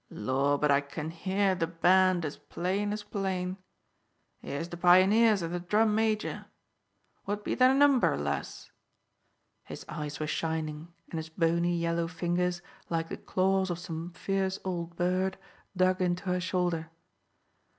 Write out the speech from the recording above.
Lor, but I can hear the band, as plain as plain! Here's the pioneers an' the drum major! What be their number, lass?" His eyes were shining and his bony yellow fingers, like the claws of some fierce old bird, dug into her shoulder.